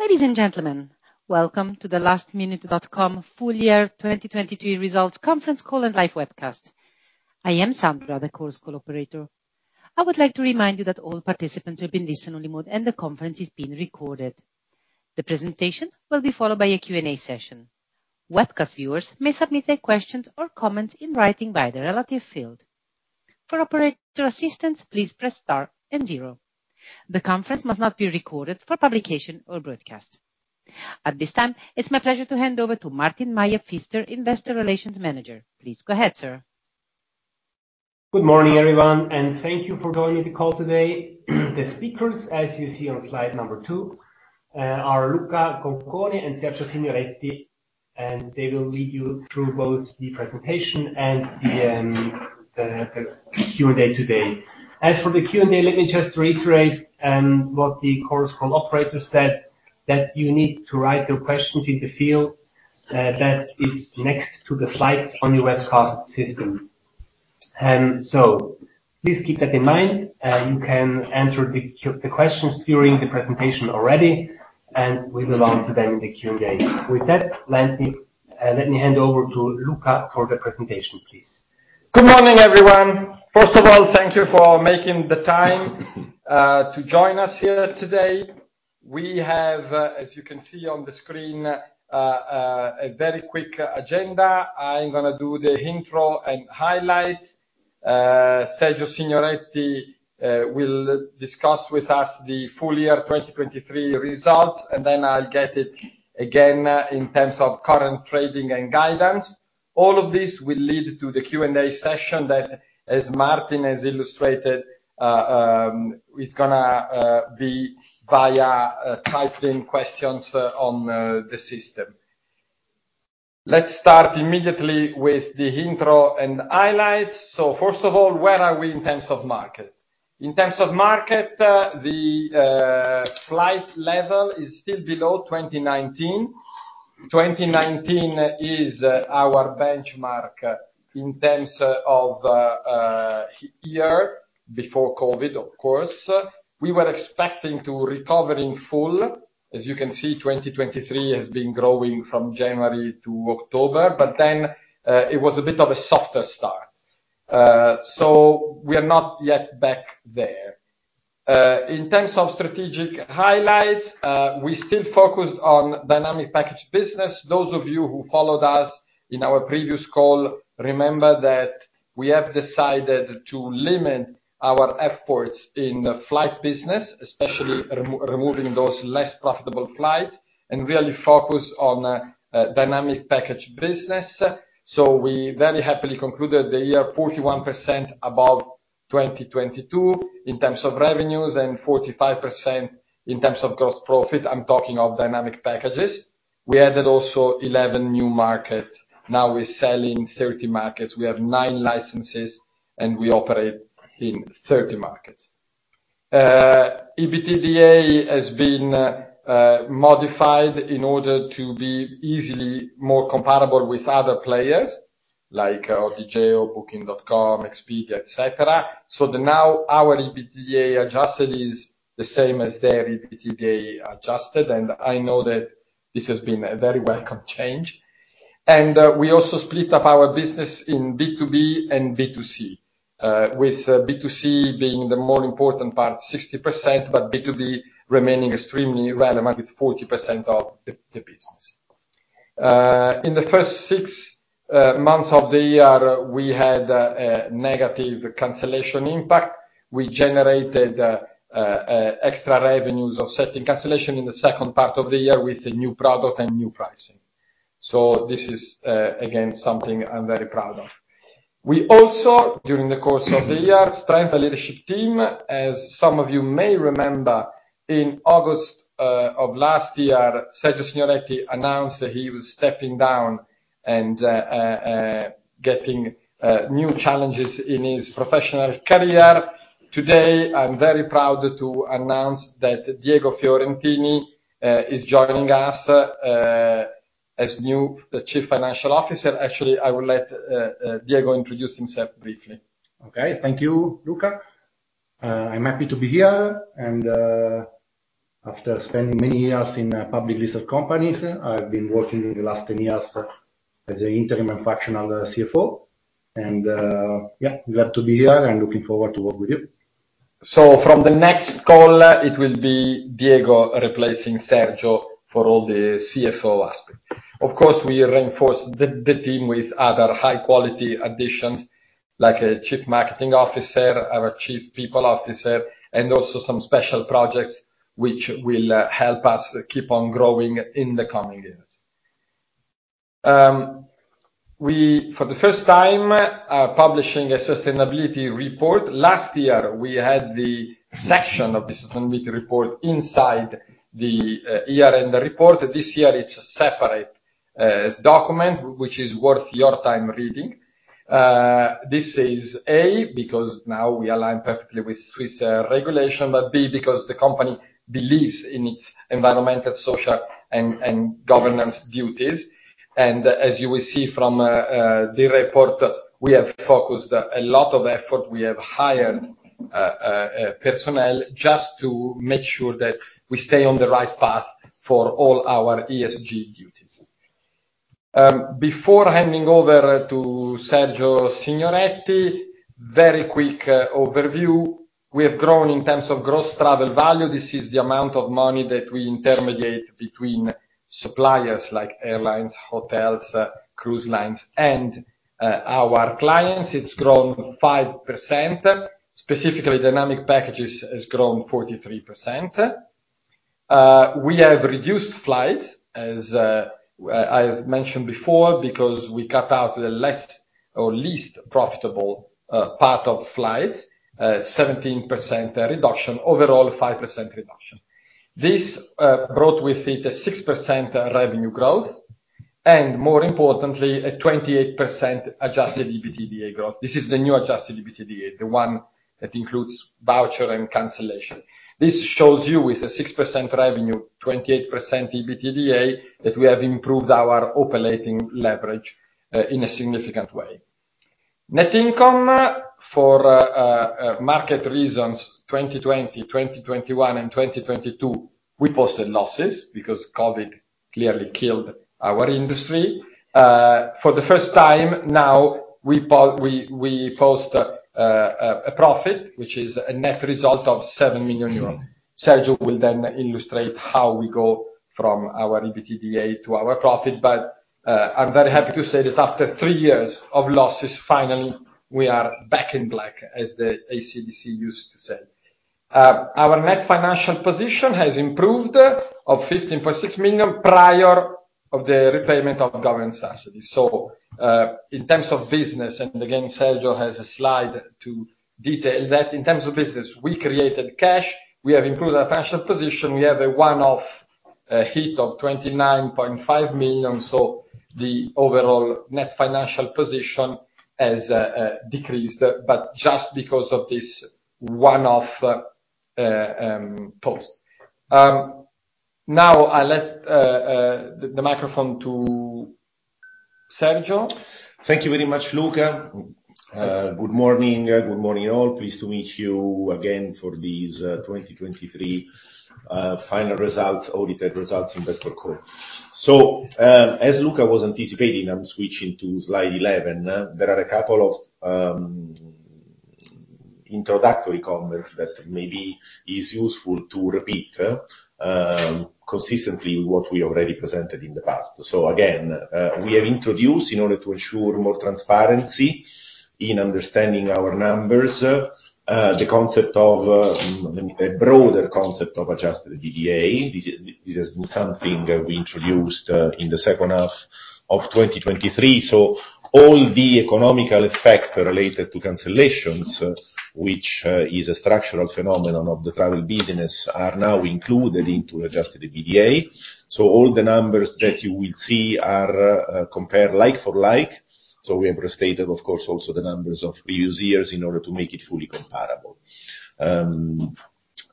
Ladies and gentlemen, welcome to the lastminute.com Full Year 2022 Results Conference Call and Live Webcast. I am Sandra, the Chorus Call operator. I would like to remind you that all participants will be in listen-only mode, and the conference is being recorded. The presentation will be followed by a Q&A session. Webcast viewers may submit their questions or comments in writing via the relevant field. For operator assistance, please press star and zero. The conference must not be recorded for publication or broadcast. At this time, it's my pleasure to hand over to Martin Meier-Pfister, Investor Relations Manager. Please go ahead, sir. Good morning, everyone, and thank you for joining the call today. The speakers, as you see on slide number two, are Luca Concone and Sergio Signoretti, and they will lead you through both the presentation and the Q&A today. As for the Q&A, let me just reiterate what the Chorus Call operator said, that you need to write your questions in the field that is next to the slides on your webcast system. So please keep that in mind. You can enter the questions during the presentation already, and we will answer them in the Q&A. With that, let me hand over to Luca for the presentation, please. Good morning, everyone. First of all, thank you for making the time to join us here today. We have, as you can see on the screen, a very quick agenda. I'm gonna do the intro and highlights. Sergio Signoretti will discuss with us the full year 2023 results, and then I'll get it again in terms of current trading and guidance. All of this will lead to the Q&A session that, as Martin has illustrated, is gonna be via typing questions on the system. Let's start immediately with the intro and highlights. So first of all, where are we in terms of market? In terms of market, the flight level is still below 2019. 2019 is our benchmark in terms of year before COVID, of course. We were expecting to recover in full. As you can see, 2023 has been growing from January to October, but then, it was a bit of a softer start. So we are not yet back there. In terms of strategic highlights, we still focused on dynamic package business. Those of you who followed us in our previous call, remember that we have decided to limit our efforts in flight business, especially removing those less profitable flights, and really focus on dynamic package business. So we very happily concluded the year 41% above 2022 in terms of revenues and 45% in terms of gross profit. I'm talking of dynamic packages. We added also 11 new markets. Now we're selling 30 markets. We have nine licenses, and we operate in 30 markets. EBITDA has been modified in order to be easily more comparable with other players like OTA, Booking.com, Expedia, et cetera. So now our EBITDA adjusted is the same as their EBITDA adjusted, and I know that this has been a very welcome change. We also split up our business in B2B and B2C, with B2C being the more important part, 60%, but B2B remaining extremely relevant with 40% of the business. In the first six months of the year, we had a negative cancellation impact. We generated extra revenues offsetting cancellation in the second part of the year with a new product and new pricing. So this is again something I'm very proud of. We also, during the course of the year, strengthened leadership team. As some of you may remember, in August of last year, Sergio Signoretti announced that he was stepping down and getting new challenges in his professional career. Today, I'm very proud to announce that Diego Fiorentini is joining us as new Chief Financial Officer. Actually, I will let Diego introduce himself briefly. Okay. Thank you, Luca. I'm happy to be here, and, after spending many years in, public listed companies, I've been working in the last 10 years as a interim and functional CFO. And, yeah, glad to be here and looking forward to work with you. So from the next call, it will be Diego replacing Sergio for all the CFO aspect. Of course, we reinforce the team with other high-quality additions, like a Chief Marketing Officer, our Chief People Officer, and also some special projects which will help us keep on growing in the coming years. We, for the first time, are publishing a sustainability report. Last year, we had the section of the sustainability report inside the year-end report. This year, it's a separate document, which is worth your time reading. This is A, because now we align perfectly with Swiss regulation, but B, because the company believes in its environmental, social, and governance duties. And as you will see from the report, we have focused a lot of effort. We have hired personnel just to make sure that we stay on the right path for all our ESG duties. Before handing over to Sergio Signoretti, very quick overview. We have grown in terms of gross travel value. This is the amount of money that we intermediate between suppliers, like airlines, hotels, cruise lines, and our clients. It's grown 5%. Specifically, dynamic packages has grown 43%. We have reduced flights, as I've mentioned before, because we cut out the less or least profitable part of flights, 17% reduction, overall 5% reduction. This brought with it a 6% revenue growth, and more importantly, a 28% adjusted EBITDA growth. This is the new adjusted EBITDA, the one that includes voucher and cancellation. This shows you, with a 6% revenue, 28% EBITDA, that we have improved our operating leverage in a significant way. Net income for market reasons, 2020, 2021, and 2022, we posted losses because COVID clearly killed our industry. For the first time, now, we post a profit, which is a net result of 7 million euros. Sergio will then illustrate how we go from our EBITDA to our profit, but I'm very happy to say that after three years of losses, finally, we are back in black, as the AC/DC used to say. Our net financial position has improved of 15.6 million, prior of the repayment of government subsidies. So, in terms of business, and again, Sergio has a slide to detail that, in terms of business, we created cash, we have improved our financial position, we have a one-off hit of 29.5 million, so the overall net financial position has decreased, but just because of this one-off cost. Now I let the microphone to Sergio. Thank you very much, Luca. Good morning, good morning, all. Pleased to meet you again for this 2023 final results, audited results investor call. So, as Luca was anticipating, I'm switching to slide 11. There are a couple of introductory comments that maybe is useful to repeat consistently what we already presented in the past. So again, we have introduced, in order to ensure more transparency in understanding our numbers, the concept of a broader concept of Adjusted EBITDA. This, this has been something that we introduced in the second half of 2023, so all the economic effect related to cancellations, which is a structural phenomenon of the travel business, are now included into Adjusted EBITDA. So all the numbers that you will see are compared like for like, so we have restated, of course, also the numbers of previous years in order to make it fully comparable.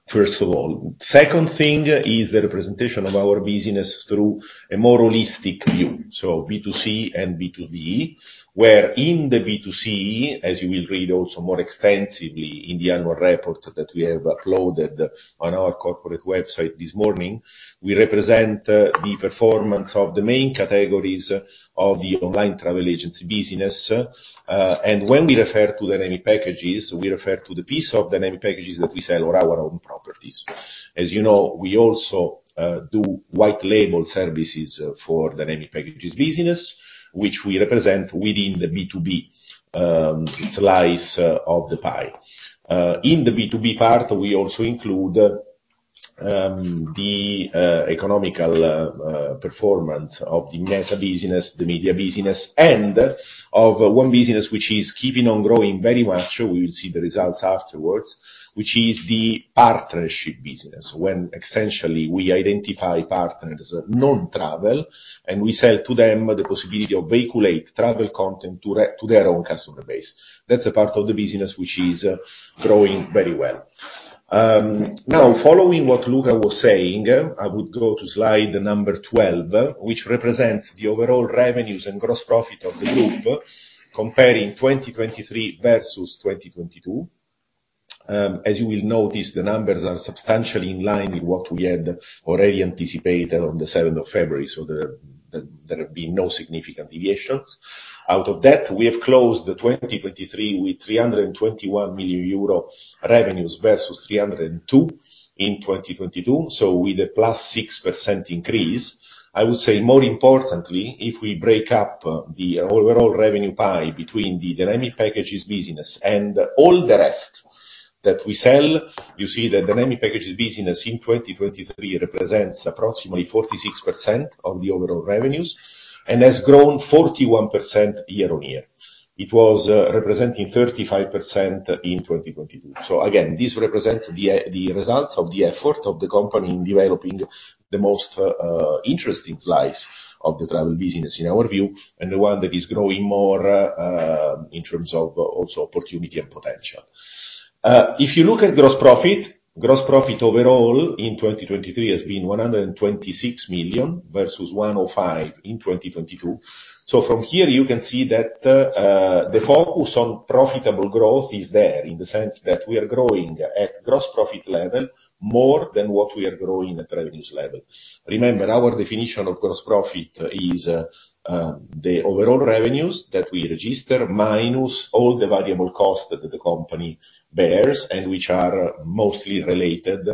First of all. Second thing is the representation of our business through a more holistic view, so B2C and B2B, where in the B2C, as you will read also more extensively in the annual report that we have uploaded on our corporate website this morning, we represent the performance of the main categories of the online travel agency business. And when we refer to dynamic packages, we refer to the piece of dynamic packages that we sell on our own properties. As you know, we also do white label services for dynamic packages business, which we represent within the B2B slice of the pie. In the B2B part, we also include the economic performance of the meta business, the media business, and of one business which is keeping on growing very much, we will see the results afterwards, which is the partnership business, when essentially we identify partners, non-travel, and we sell to them the possibility of vehiculate travel content to their own customer base. That's a part of the business which is growing very well. Now, following what Luca was saying, I would go to slide number 12, which represents the overall revenues and gross profit of the group, comparing 2023 versus 2022. As you will notice, the numbers are substantially in line with what we had already anticipated on the seventh of February, so there have been no significant deviations. Out of that, we have closed the 2023 with 321 million euro revenues, versus 302 in 2022, so with a +6% increase. I would say, more importantly, if we break up the overall revenue pie between the dynamic packages business and all the rest that we sell, you see that dynamic packages business in 2023 represents approximately 46% of the overall revenues, and has grown 41% year-on-year. It was representing 35% in 2022. So again, this represents the results of the effort of the company in developing the most interesting slice of the travel business, in our view, and the one that is growing more in terms of also opportunity and potential. If you look at gross profit, gross profit overall in 2023 has been 126 million versus 105 million in 2022. So from here, you can see that, the focus on profitable growth is there, in the sense that we are growing at gross profit level more than what we are growing at revenues level. Remember, our definition of gross profit is, the overall revenues that we register, minus all the variable costs that the company bears, and which are mostly related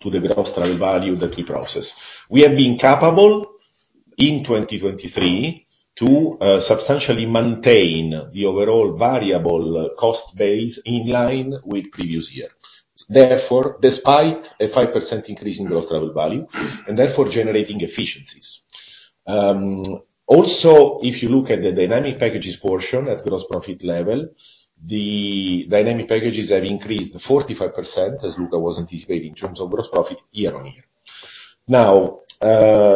to the gross travel value that we process. We have been capable, in 2023, to, substantially maintain the overall variable cost base in line with previous years. Therefore, despite a 5% increase in gross travel value, and therefore generating efficiencies. Also, if you look at the dynamic packages portion at gross profit level, the dynamic packages have increased 45%, as Luca was anticipating, in terms of gross profit year-on-year. Now,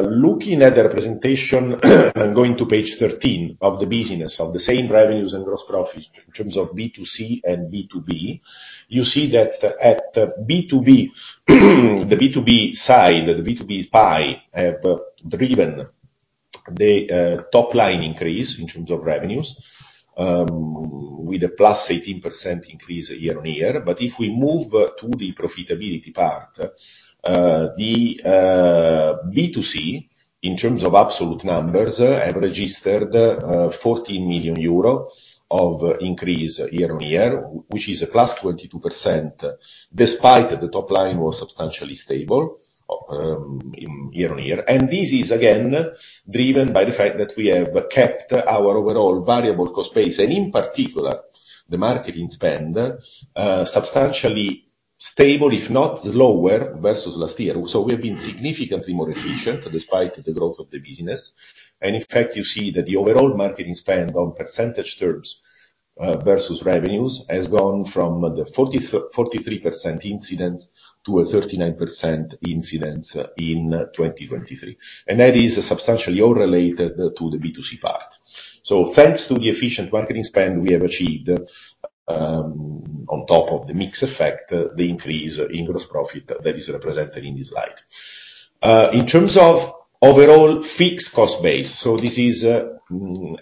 looking at the representation, and going to page 13 of the business, of the same revenues and gross profit in terms of B2C and B2B, you see that at the B2B, the B2B side, the B2B pie, have driven the top line increase in terms of revenues, with a +18% increase year-on-year. But if we move to the profitability part, the B2C, in terms of absolute numbers, have registered 14 million euro of increase year-on-year, which is a +22%, despite that the top line was substantially stable in year-on-year. This is again, driven by the fact that we have kept our overall variable cost base, and in particular, the marketing spend, substantially stable, if not lower, versus last year. So we've been significantly more efficient despite the growth of the business. And in fact, you see that the overall marketing spend on percentage terms, versus revenues, has gone from the 43% incidence to a 39% incidence in 2023. And that is substantially all related to the B2C part. So thanks to the efficient marketing spend we have achieved, on top of the mix effect, the increase in gross profit that is represented in this slide. In terms of overall fixed cost base, so this is,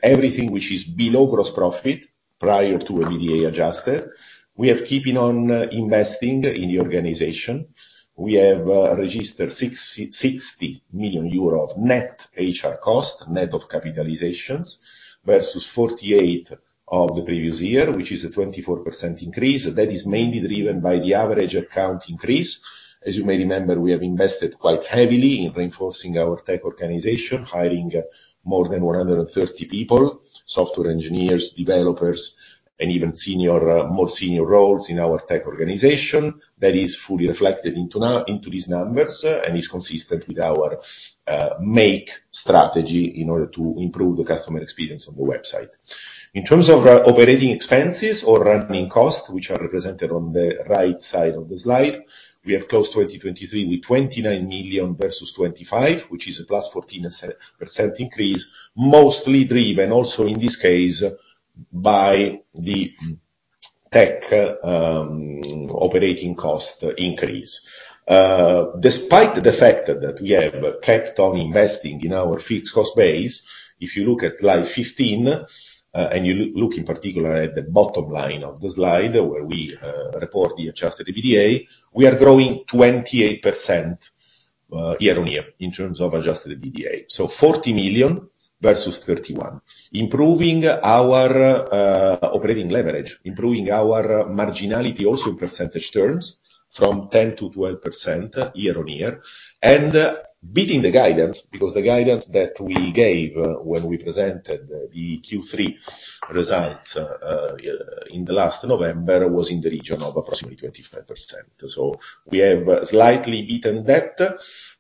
everything which is below gross profit prior to EBITDA adjusted. We are keeping on, investing in the organization. We have registered sixty million euro of net HR cost, net of capitalizations, versus 48 of the previous year, which is a 24% increase. That is mainly driven by the average account increase. As you may remember, we have invested quite heavily in reinforcing our tech organization, hiring more than 130 people, software engineers, developers, and even senior, more senior roles in our tech organization. That is fully reflected into these numbers and is consistent with our make strategy in order to improve the customer experience on the website. In terms of operating expenses or running costs, which are represented on the right side of the slide, we have closed 2023 with 29 million versus 25, which is a plus 14% increase, mostly driven, also in this case, by the tech operating cost increase. Despite the fact that we have kept on investing in our fixed cost base, if you look at slide 15, and you look in particular at the bottom line of the slide, where we report the adjusted EBITDA, we are growing 28% year-on-year in terms of adjusted EBITDA. 40 million versus 31 million. Improving our operating leverage, improving our marginality also in percentage terms from 10%-12% year-on-year, and beating the guidance, because the guidance that we gave when we presented the Q3 results in last November was in the region of approximately 25%. We have slightly beaten that,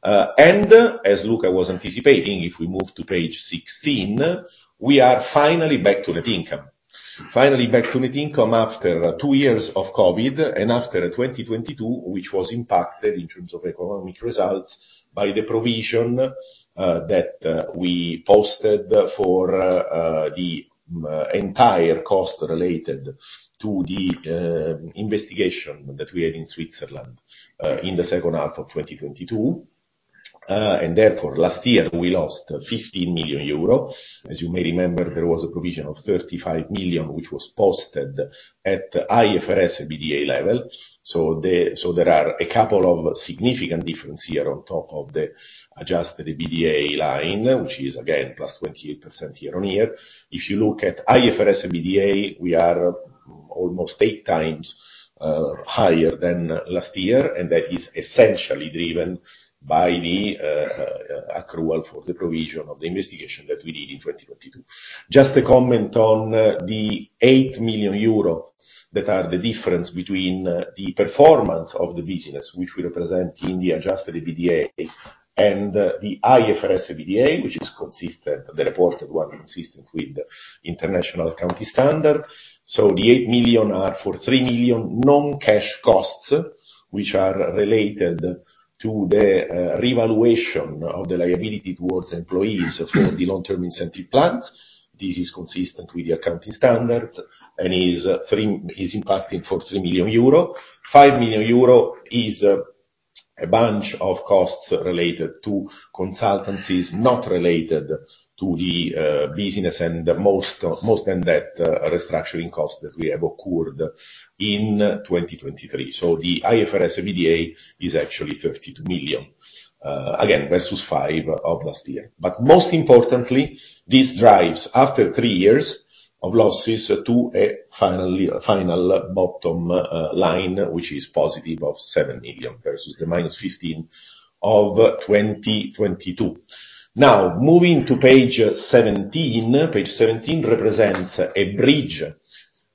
and as Luca was anticipating, if we move to page 16, we are finally back to net income. Finally back to net income after 2 years of COVID, and after 2022, which was impacted in terms of economic results by the provision that we posted for the entire cost related to the investigation that we had in Switzerland in the second half of 2022. And therefore, last year, we lost 15 million euro. As you may remember, there was a provision of 35 million, which was posted at IFRS and EBITDA level. So there are a couple of significant difference here on top of the adjusted EBITDA line, which is again +28% year-on-year. If you look at IFRS and EBITDA, we are almost eight times higher than last year, and that is essentially driven by the accrual for the provision of the investigation that we did in 2022. Just a comment on the 8 million euro that are the difference between the performance of the business, which we represent in the adjusted EBITDA, and the IFRS EBITDA, which is consistent, the reported one, consistent with the international accounting standard. So the 8 million are for 3 million non-cash costs which are related to the revaluation of the liability towards employees for the long-term incentive plans. This is consistent with the accounting standards, and is impacting for 3 million euro. 5 million euro is a bunch of costs related to consultancies, not related to the business, and more than that, restructuring costs that we have incurred in 2023. So the IFRS EBITDA is actually 32 million, again, versus 5 million of last year. But most importantly, this drives, after three years of losses, to a final bottom line, which is positive of 7 million, versus the minus 15 million of 2022. Now, moving to page 17. Page 17 represents a bridge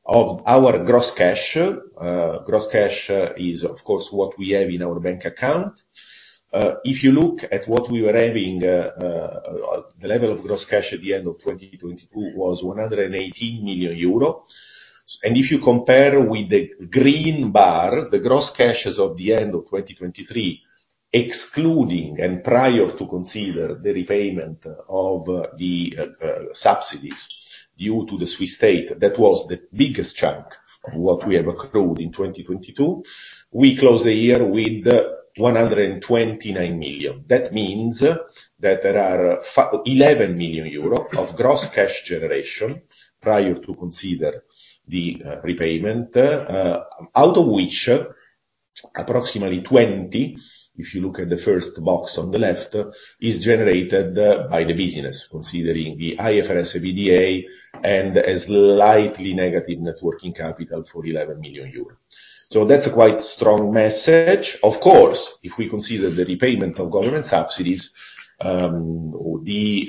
of our gross cash. Gross cash is of course what we have in our bank account. If you look at what we were having, the level of gross cash at the end of 2022 was 118 million euro. And if you compare with the green bar, the gross cash as of the end of 2023, excluding and prior to consider the repayment of the subsidies due to the Swiss state, that was the biggest chunk of what we have accrued in 2022. We closed the year with 129 million. That means that there are 11 million euro of gross cash generation, prior to consider the repayment, out of which approximately 20, if you look at the first box on the left, is generated by the business, considering the IFRS EBITDA, and a slightly negative net working capital for 11 million euros. So that's a quite strong message. Of course, if we consider the repayment of government subsidies, then we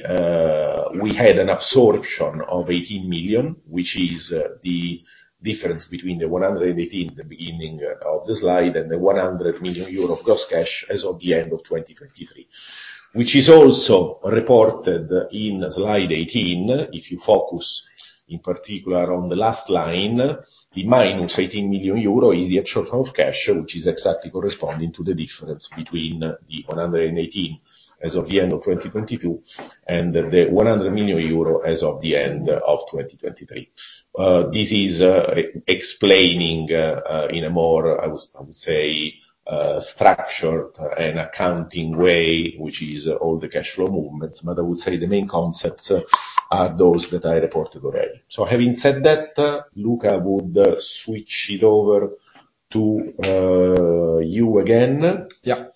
had an absorption of 18 million, which is the difference between the 118 million at the beginning of the slide, and the 100 million euro of gross cash as of the end of 2023. Which is also reported in slide 18. If you focus in particular on the last line, the -18 million euro is the actual count of cash, which is exactly corresponding to the difference between the 118 as of the end of 2022, and the 100 million euro as of the end of 2023. This is explaining in a more, I would, I would say, structured and accounting way, which is all the cash flow movements, but I would say the main concepts are those that I reported already. So having said that, Luca, I would switch it over to you again. Yeah.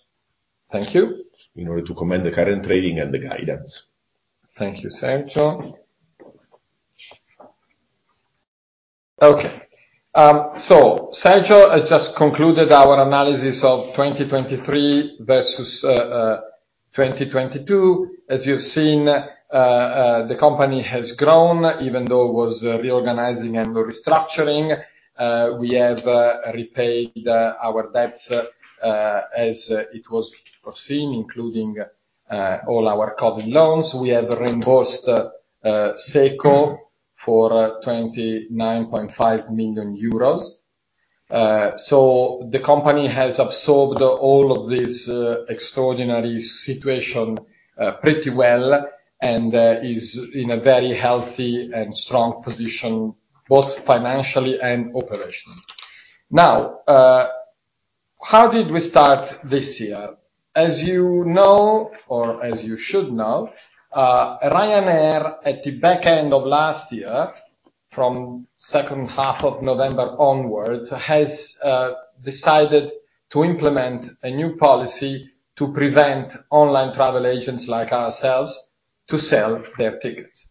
Thank you. In order to comment the current trading and the guidance. Thank you, Sergio. Okay, so Sergio has just concluded our analysis of 2023 versus 2022. As you've seen, the company has grown, even though it was reorganizing and restructuring. We have repaid our debts as it was foreseen, including all our COVID loans. We have reimbursed SECO for 29.5 million euros. So the company has absorbed all of this extraordinary situation pretty well, and is in a very healthy and strong position, both financially and operationally. Now, how did we start this year? As you know, or as you should know, Ryanair, at the back end of last year, from second half of November onwards, has decided to implement a new policy to prevent online travel agents like ourselves to sell their tickets.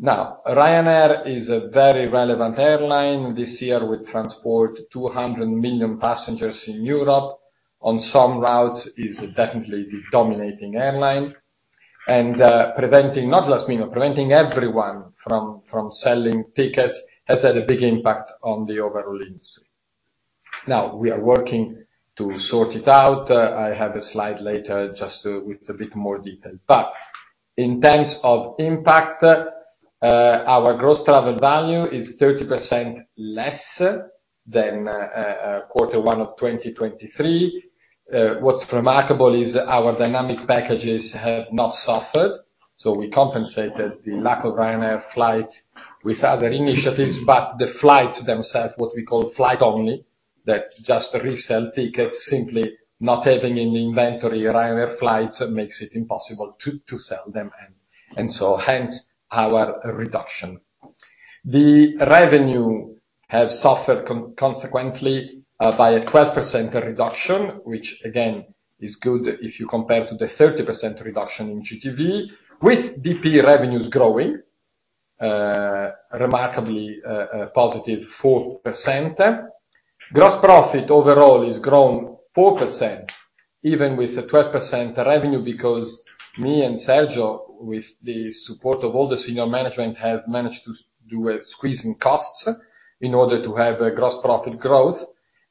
Now, Ryanair is a very relevant airline. This year, we transport 200 million passengers in Europe. On some routes, is definitely the dominating airline. And, preventing, not lastminute, preventing everyone from selling tickets has had a big impact on the overall industry. Now, we are working to sort it out. I have a slide later, just, with a bit more detail. But in terms of impact, our gross travel value is 30% less than quarter one of 2023. What's remarkable is our dynamic packages have not suffered, so we compensated the lack of Ryanair flights with other initiatives, but the flights themselves, what we call flight only, that just resell tickets, simply not having any inventory, Ryanair flights makes it impossible to sell them, and so hence, our reduction. The revenue have suffered consequently by a 12% reduction, which again is good if you compare to the 30% reduction in GTV, with DP revenues growing remarkably a positive 4%. Gross profit overall has grown 4%, even with a 12% revenue, because me and Sergio, with the support of all the senior management, have managed to do a squeeze in costs in order to have a gross profit growth,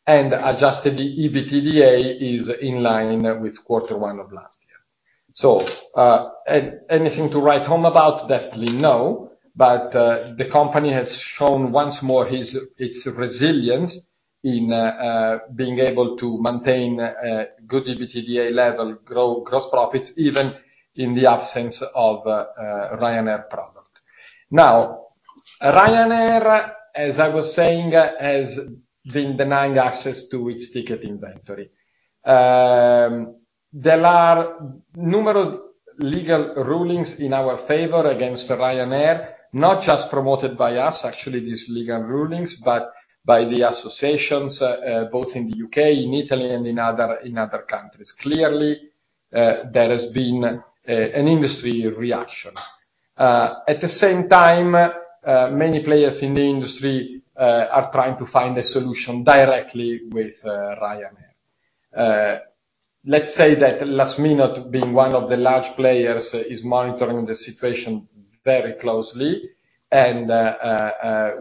and adjusted EBITDA is in line with quarter one of last year. So, anything to write home about? Definitely no. But the company has shown once more its resilience in being able to maintain good EBITDA level, grow gross profits, even in the absence of Ryanair product. Now, Ryanair, as I was saying, has been denying access to its ticket inventory. There are numerous legal rulings in our favor against Ryanair, not just promoted by us, actually, these legal rulings, but by the associations, both in the U.K., in Italy, and in other countries. Clearly, there has been an industry reaction. At the same time, many players in the industry are trying to find a solution directly with Ryanair. Let's say that lastminute.com, being one of the large players, is monitoring the situation very closely, and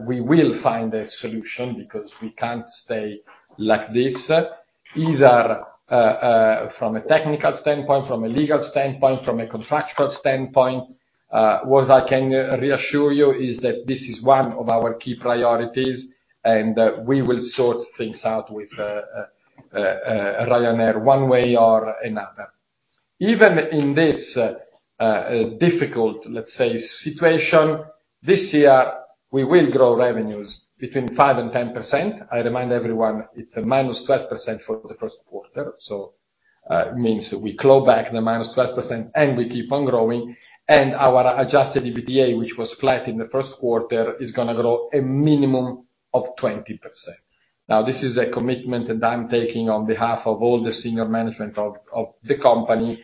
we will find a solution because we can't stay like this, either, from a technical standpoint, from a legal standpoint, from a contractual standpoint. What I can reassure you is that this is one of our key priorities, and we will sort things out with Ryanair, one way or another. Even in this difficult, let's say, situation, this year, we will grow revenues between 5% and 10%. I remind everyone, it's a -12% for the first quarter, so means we claw back the -12%, and we keep on growing. Our Adjusted EBITDA, which was flat in the first quarter, is gonna grow a minimum of 20%. Now, this is a commitment that I'm taking on behalf of all the senior management of the company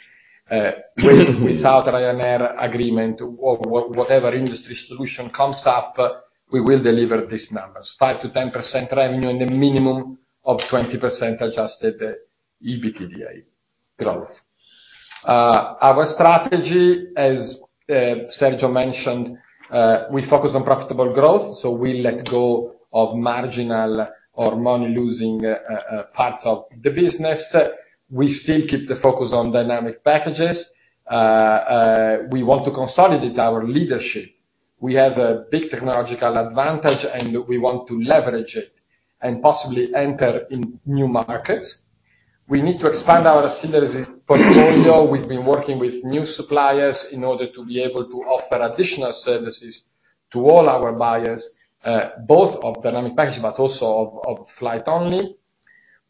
without Ryanair agreement or whatever industry solution comes up, we will deliver these numbers. 5%-10% revenue and a minimum of 20% Adjusted EBITDA growth. Our strategy, as Sergio mentioned, we focus on profitable growth, so we let go of marginal or money-losing parts of the business. We still keep the focus on dynamic packages. We want to consolidate our leadership. We have a big technological advantage, and we want to leverage it and possibly enter in new markets. We need to expand our ancillary portfolio. We've been working with new suppliers in order to be able to offer additional services to all our buyers, both of dynamic packages, but also of flight only.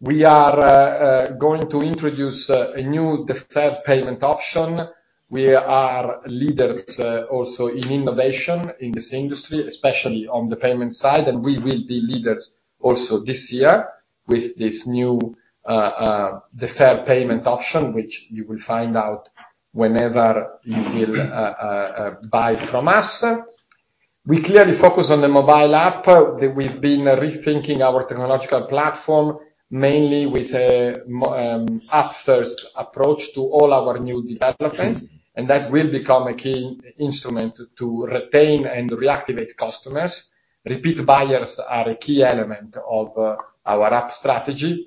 We are going to introduce a new deferred payment option. We are leaders also in innovation in this industry, especially on the payment side, and we will be leaders also this year with this new deferred payment option, which you will find out whenever you will buy from us. We clearly focus on the mobile app, that we've been rethinking our technological platform, mainly with a mobile-first approach to all our new developments, and that will become a key instrument to retain and reactivate customers. Repeat buyers are a key element of our app strategy,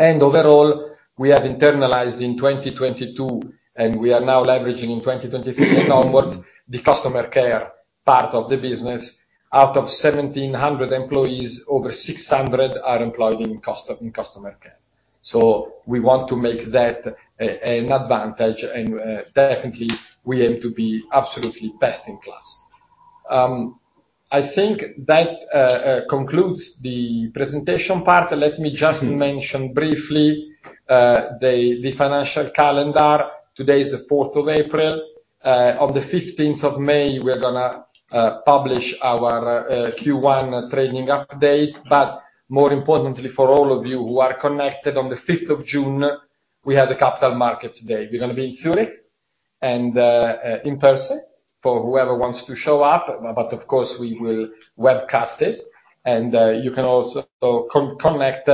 and overall, we have internalized in 2022, and we are now leveraging in 2023 onwards, the customer care part of the business. Out of 1,700 employees, over 600 are employed in customer care. So we want to make that an advantage, and definitely, we aim to be absolutely best in class. I think that concludes the presentation part. Let me just mention briefly the financial calendar. Today is the fourth of April. On the 15th of May, we're gonna publish our Q1 trading update. But more importantly, for all of you who are connected, on the fifth of June, we have the Capital Markets Day. We're gonna be in Zurich and in person for whoever wants to show up, but of course, we will webcast it, and you can also connect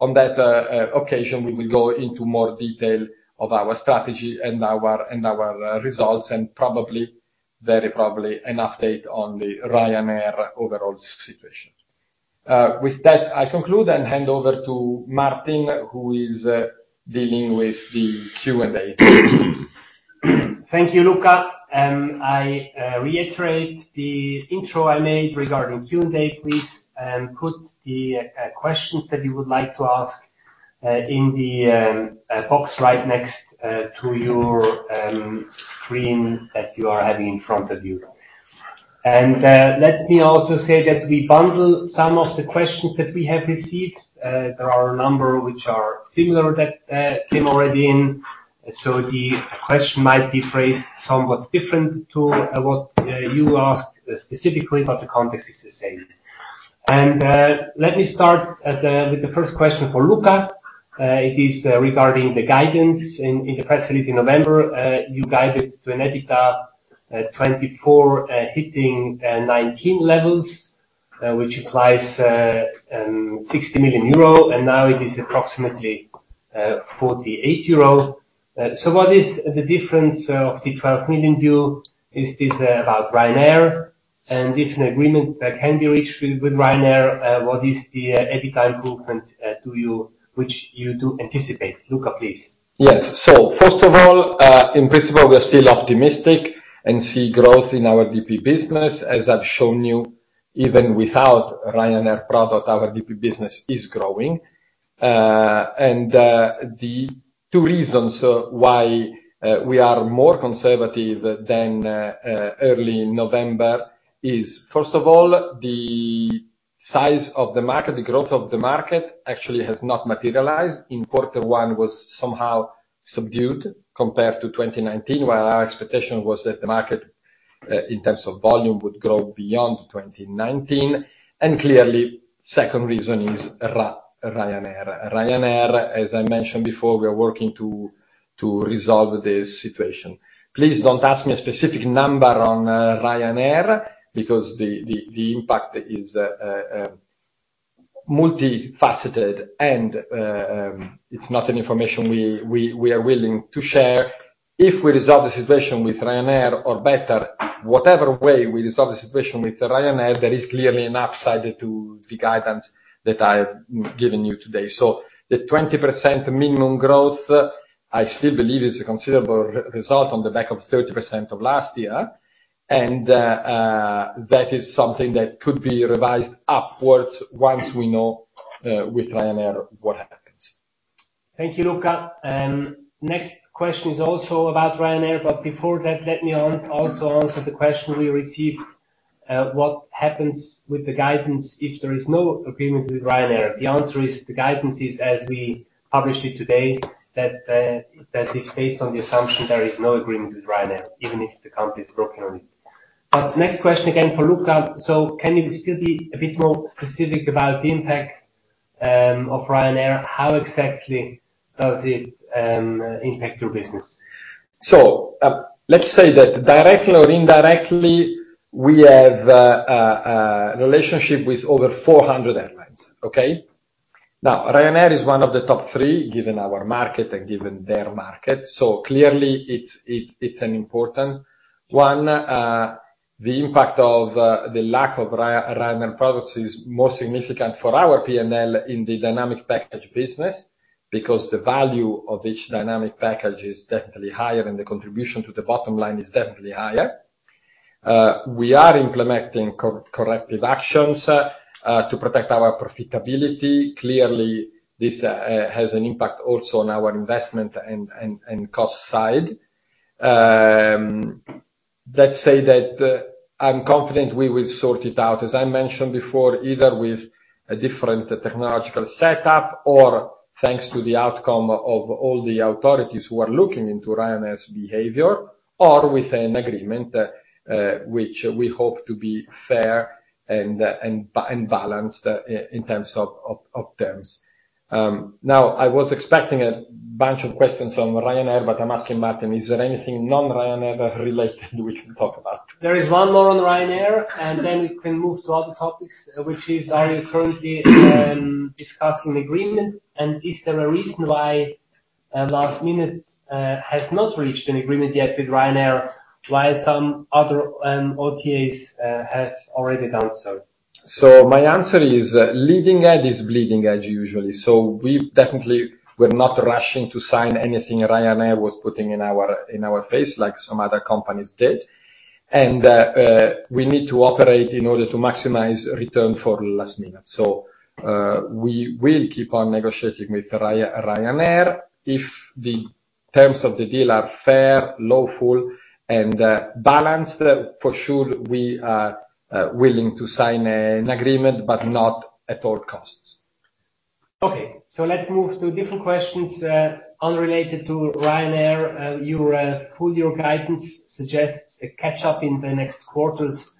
on that occasion. We will go into more detail of our strategy and our results, and probably, very probably an update on the Ryanair overall situation. With that, I conclude and hand over to Martin, who is dealing with the Q&A. Thank you, Luca, and I reiterate the intro I made regarding Q&A. Please put the questions that you would like to ask in the box right next to your screen that you are having in front of you. And let me also say that we bundle some of the questions that we have received. There are a number which are similar that came already in, so the question might be phrased somewhat different to what you asked specifically, but the context is the same. And let me start with the first question for Luca. It is regarding the guidance in the press release in November. You guided to an EBITDA 2024 hitting 19 levels, which applies 60 million euro, and now it is approximately 48 million euro. So what is the difference of the 12 million? Is this about Ryanair? And if an agreement can be reached with, with Ryanair, what is the EBITDA improvement to you which you do anticipate? Luca, please. Yes. So first of all, in principle, we are still optimistic and see growth in our DP business. As I've shown you, even without Ryanair product, our DP business is growing. And the two reasons why we are more conservative than early November is, first of all, the size of the market, the growth of the market, actually has not materialized. In quarter one was somehow subdued compared to 2019, while our expectation was that the market in terms of volume would grow beyond 2019. And clearly, second reason is Ryanair. Ryanair, as I mentioned before, we are working to resolve this situation. Please don't ask me a specific number on Ryanair, because the impact is multifaceted, and it's not an information we are willing to share. If we resolve the situation with Ryanair, or better, whatever way we resolve the situation with Ryanair, there is clearly an upside to the guidance that I've given you today. So the 20% minimum growth, I still believe is a considerable result on the back of 30% of last year. And, that is something that could be revised upwards once we know, with Ryanair, what happens. Thank you, Luca. Next question is also about Ryanair, but before that, let me also answer the question we received: What happens with the guidance if there is no agreement with Ryanair? The answer is, the guidance is, as we published it today, that, that is based on the assumption there is no agreement with Ryanair, even if the company is working on it. But next question again for Luca: So can you still be a bit more specific about the impact of Ryanair? How exactly does it impact your business? So, let's say that directly or indirectly, we have a relationship with over 400 airlines, okay? Now, Ryanair is one of the top three, given our market and given their market. So clearly, it's an important one. The impact of the lack of Ryanair products is more significant for our PNL in the dynamic package business, because the value of each dynamic package is definitely higher, and the contribution to the bottom line is definitely higher. We are implementing corrective actions to protect our profitability. Clearly, this has an impact also on our investment and cost side. Let's say that, I'm confident we will sort it out, as I mentioned before, either with a different technological setup or thanks to the outcome of all the authorities who are looking into Ryanair's behavior, or with an agreement, which we hope to be fair and balanced in terms of terms. Now, I was expecting a bunch of questions on Ryanair, but I'm asking Martin, is there anything non-Ryanair-related we can talk about? There is one more on Ryanair, and then we can move to other topics, which is: Are you currently discussing agreement? And is there a reason why lastminute.com has not reached an agreement yet with Ryanair, while some other OTAs have already done so? So my answer is, leading edge is bleeding edge, usually. So we definitely were not rushing to sign anything Ryanair was putting in our face, like some other companies did. We need to operate in order to maximize return for lastminute.com. So we will keep on negotiating with Ryanair. If the terms of the deal are fair, lawful, and balanced, for sure, we are willing to sign an agreement, but not at all costs. Okay, so let's move to different questions, unrelated to Ryanair. Your full year guidance suggests a catch-up in the next quarters.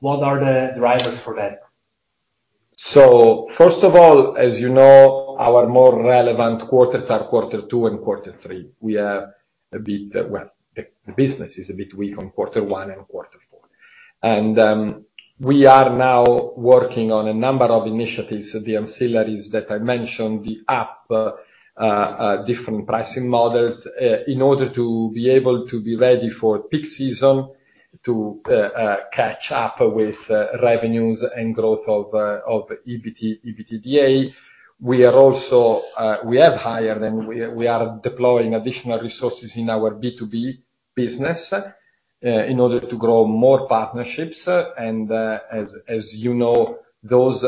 What are the drivers for that? So first of all, as you know, our more relevant quarters are quarter two and quarter three. We are a bit. Well, the business is a bit weak on quarter one and quarter four. We are now working on a number of initiatives, the ancillaries that I mentioned, the app, different pricing models, in order to be able to be ready for peak season, to catch up with revenues and growth of EBIT, EBITDA. We are also. We have hired and we are deploying additional resources in our B2B business, in order to grow more partnerships. As you know, those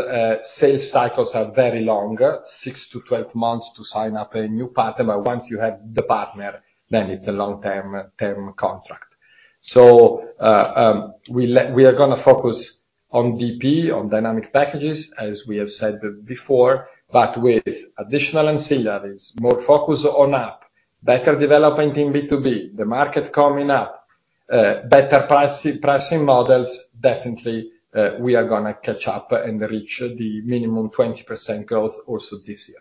sales cycles are very long, 6-12 months to sign up a new partner. But once you have the partner, then it's a long-term contract. So, we are gonna focus on DP, on dynamic packages, as we have said before, but with additional ancillaries, more focus on app, better development in B2B, the market coming up, better pricing, pricing models, definitely, we are gonna catch up and reach the minimum 20% growth also this year.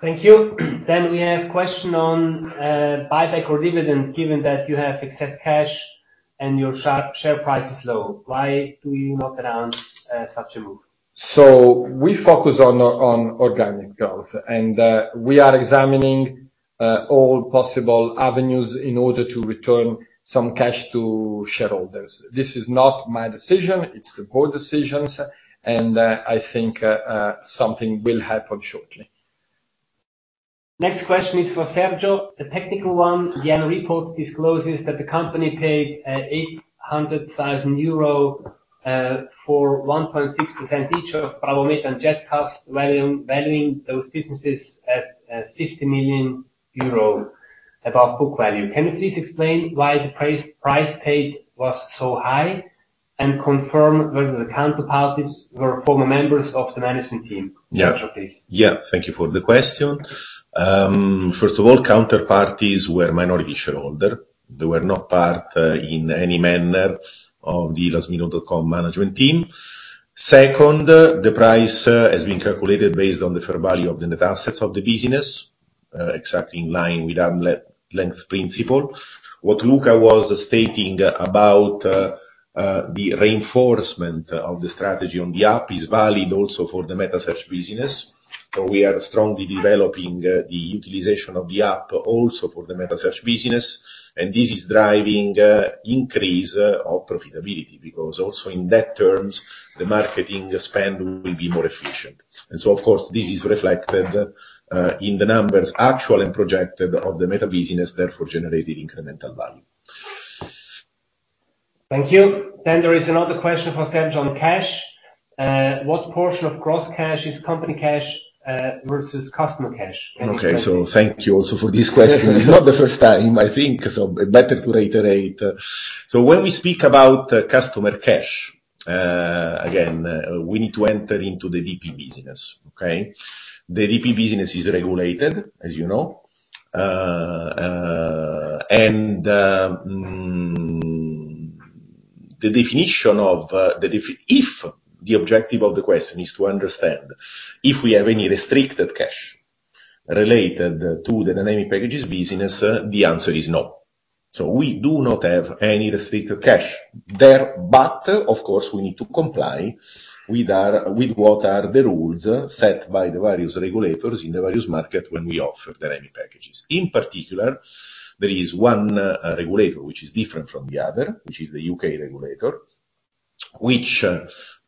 Thank you. Then we have question on buyback or dividend, given that you have excess cash and your share price is low. Why do you not announce such a move?... So we focus on organic growth, and we are examining all possible avenues in order to return some cash to shareholders. This is not my decision, it's the board decisions, and I think something will happen shortly. Next question is for Sergio. A technical one. The annual report discloses that the company paid 800,000 euro for 1.6% each of BravoMeta and Jetcost, valuing those businesses at 50 million euro above book value. Can you please explain why the price paid was so high, and confirm whether the counterparties were former members of the management team? Yeah. Sergio, please. Yeah. Thank you for the question. First of all, counterparties were minority shareholder. They were not part in any manner of the lastminute.com management team. Second, the price has been calculated based on the fair value of the net assets of the business exactly in line with arm's length principle. What Luca was stating about the reinforcement of the strategy on the app is valid also for the metasearch business. So we are strongly developing the utilization of the app also for the metasearch business, and this is driving increase of profitability, because also in that terms, the marketing spend will be more efficient. And so, of course, this is reflected in the numbers, actual and projected, of the meta business, therefore generating incremental value. Thank you. Then there is another question for Sergio on cash. What portion of gross cash is company cash, versus customer cash? Okay. So thank you also for this question. It's not the first time, I think, so better to reiterate. So when we speak about customer cash, again, we need to enter into the DP business. Okay? The DP business is regulated, as you know. If the objective of the question is to understand if we have any restricted cash related to the dynamic packages business, the answer is no. So we do not have any restricted cash there, but of course, we need to comply with what are the rules set by the various regulators in the various market when we offer dynamic packages. In particular, there is one regulator which is different from the other, which is the U.K. regulator, which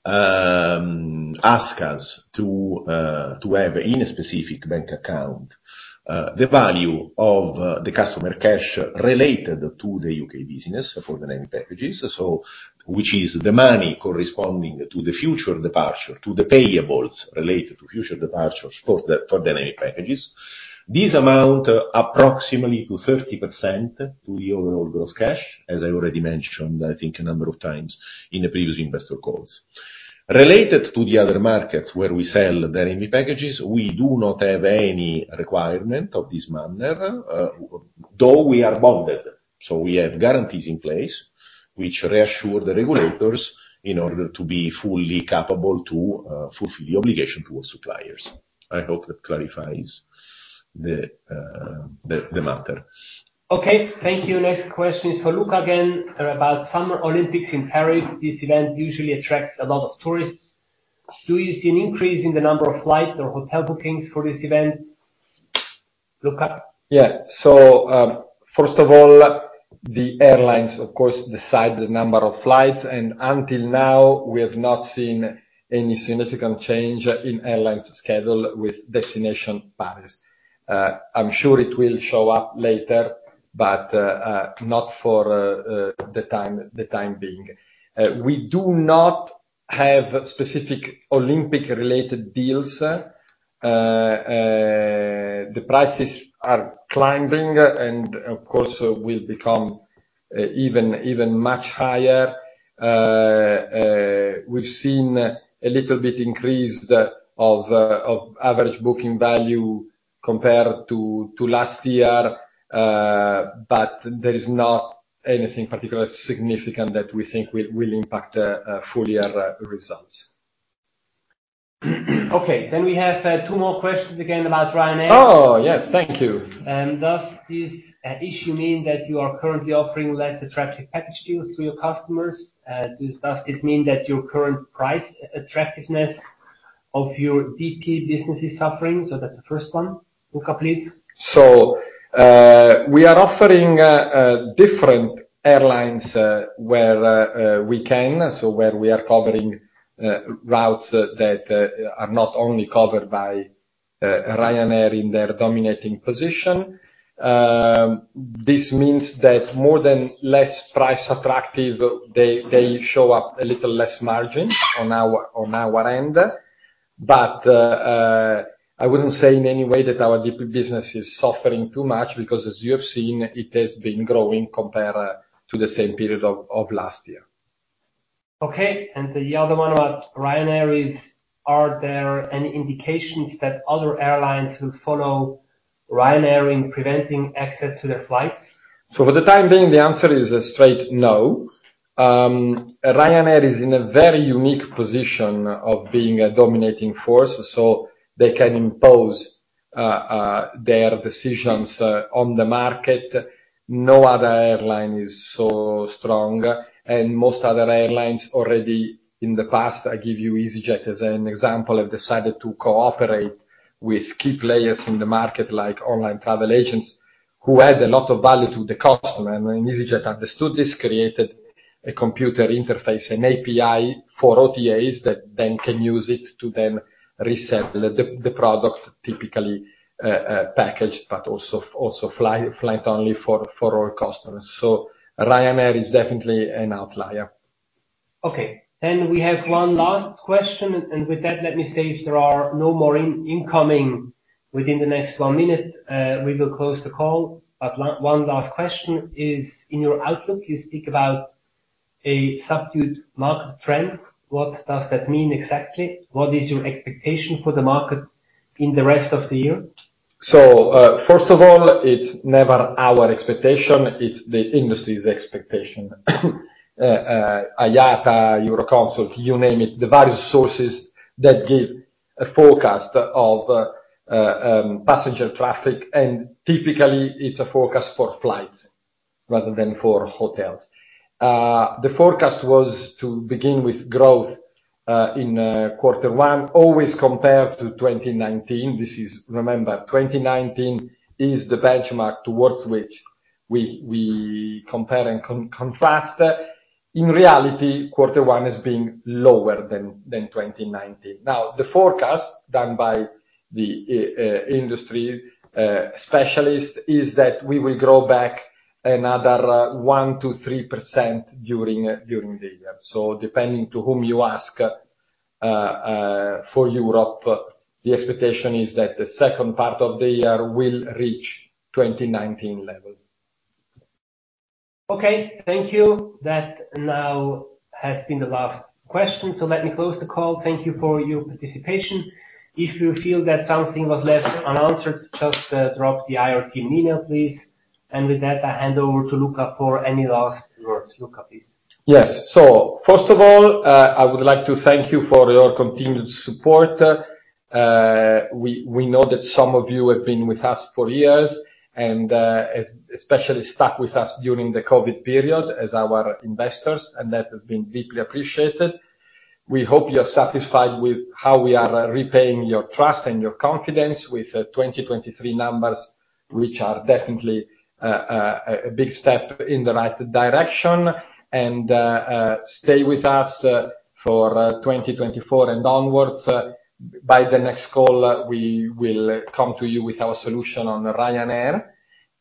ask us to have in a specific bank account the value of the customer cash related to the U.K. business for dynamic packages. So, which is the money corresponding to the future departure, to the payables related to future departures for dynamic packages. This amount approximately to 30% to the overall gross cash, as I already mentioned, I think, a number of times in the previous investor calls. Related to the other markets where we sell dynamic packages, we do not have any requirement of this manner, though we are bonded, so we have guarantees in place which reassure the regulators in order to be fully capable to fulfill the obligation to our suppliers. I hope that clarifies the matter. Okay, thank you. Next question is for Luca again, about Summer Olympics in Paris. This event usually attracts a lot of tourists. Do you see an increase in the number of flight or hotel bookings for this event? Luca? Yeah. So, first of all, the airlines, of course, decide the number of flights, and until now, we have not seen any significant change in airlines schedule with destination Paris. I'm sure it will show up later, but not for the time being. We do not have specific Olympic-related deals. The prices are climbing and, of course, will become even much higher. We've seen a little bit increase of average booking value compared to last year, but there is not anything particularly significant that we think will impact full year results. Okay, then we have two more questions again about Ryanair. Oh, yes. Thank you. Does this issue mean that you are currently offering less attractive package deals to your customers? Does this mean that your current price attractiveness of your DP business is suffering? So that's the first one. Luca, please. So, we are offering different airlines, where we can, so where we are covering routes that are not only covered by Ryanair in their dominating position. This means that more than less price attractive, they, they show up a little less margin on our, on our end. But, I wouldn't say in any way that our DP business is suffering too much, because as you have seen, it has been growing compared to the same period of last year. Okay, and the other one about Ryanair is: Are there any indications that other airlines will follow Ryanair in preventing access to their flights? So for the time being, the answer is a straight no. Ryanair is in a very unique position of being a dominating force, so they can impose their decisions on the market. No other airline is so strong, and most other airlines already in the past, I give you EasyJet as an example, have decided to cooperate with key players in the market, like online travel agents, who add a lot of value to the customer. And EasyJet understood this, created a computer interface, an API for OTAs, that then can use it to then resell the product, typically packaged, but also flight only for our customers. So Ryanair is definitely an outlier. Okay, and we have one last question, and with that, let me say, if there are no more incoming within the next one minute, we will close the call. But one last question is: in your outlook, you speak about a subdued market trend. What does that mean exactly? What is your expectation for the market in the rest of the year? So, first of all, it's never our expectation, it's the industry's expectation. IATA, Eurocontrol, you name it, the various sources that give a forecast of passenger traffic, and typically, it's a forecast for flights rather than for hotels. The forecast was to begin with growth in quarter one, always compared to 2019. This is... Remember, 2019 is the benchmark towards which we compare and contrast. In reality, quarter one has been lower than 2019. Now, the forecast done by the industry specialist is that we will grow back another 1%-3% during the year. So depending to whom you ask, for Europe, the expectation is that the second part of the year will reach 2019 level. Okay, thank you. That now has been the last question, so let me close the call. Thank you for your participation. If you feel that something was left unanswered, just drop the IR team email, please. With that, I hand over to Luca for any last words. Luca, please. Yes. First of all, I would like to thank you for your continued support. We know that some of you have been with us for years, and especially stuck with us during the COVID period as our investors, and that has been deeply appreciated. We hope you are satisfied with how we are repaying your trust and your confidence with the 2023 numbers, which are definitely a big step in the right direction. Stay with us for 2024 and onwards. By the next call, we will come to you with our solution on Ryanair,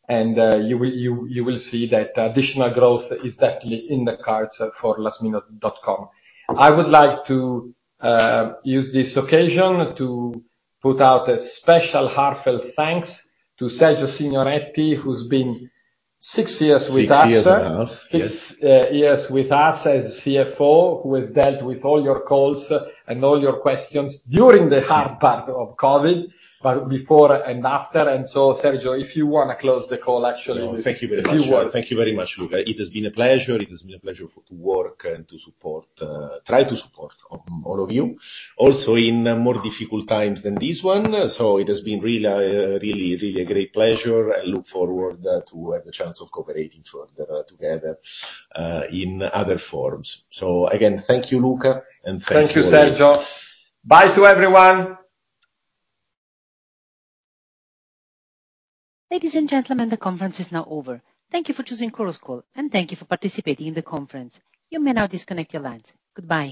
and you will see that additional growth is definitely in the cards for lastminute.com. I would like to use this occasion to put out a special heartfelt thanks to Sergio Signoretti, who's been six years with us. Six years now. Six years with us as CFO, who has dealt with all your calls and all your questions during the hard part- Yes... of COVID, but before and after. And so, Sergio, if you wanna close the call, actually, with a few words. Thank you very much. Thank you very much, Luca. It has been a pleasure. It has been a pleasure to work and to support, try to support all, all of you, also in more difficult times than this one. So it has been really, really, really a great pleasure, and look forward, to have the chance of cooperating further, together, in other forms. So again, thank you, Luca, and thank you very- Thank you, Sergio. Bye to everyone. Ladies and gentlemen, the conference is now over. Thank you for choosing Chorus Call, and thank you for participating in the conference. You may now disconnect your lines. Goodbye.